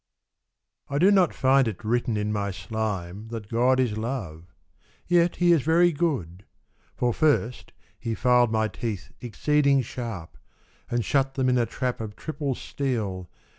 I DO not find it written in my slime That God is Love ; yet He is very good ; For first, He filed my teeth exceeding sharp, And shut them in a trap of triple steel.